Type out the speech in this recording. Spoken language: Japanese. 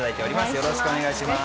よろしくお願いします。